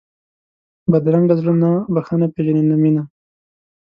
بدرنګه زړه نه بښنه پېژني نه مینه